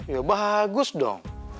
ya bagus dong